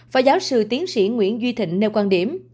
và giáo sư tiến sĩ nguyễn duy thịnh nêu quan điểm